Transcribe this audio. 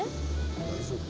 大丈夫？